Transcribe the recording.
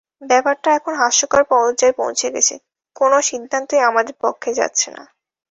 ব্যাপারটা এখন হাস্যকর পর্যায়ে পৌঁছে গেছে, কোনো সিদ্ধান্তই আমাদের পক্ষে যাচ্ছে না।